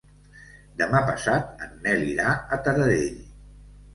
Demà passat en Nel irà a Taradell.